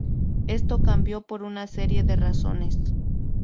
Esto cambió por una serie de razones.